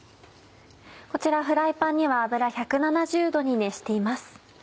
こちらフライパンには油１７０℃に熱しています。